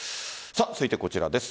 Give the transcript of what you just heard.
続いてはこちらです。